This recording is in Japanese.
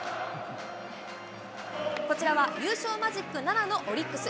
こちらは優勝マジック７のオリックス。